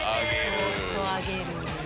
そっと上げる。